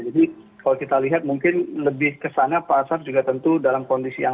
jadi kalau kita lihat mungkin lebih kesana pak ashar juga tentu dalam sebuah perusahaan